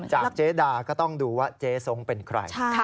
เจดาก็ต้องดูว่าเจ๊ส้งเป็นใคร